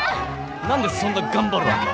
何でそんな頑張るわけ？